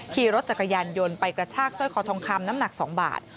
ขี่รถจักรยานยนต์ไปกระชากสร้อยคอทองคำน้ำหนัก๒บาท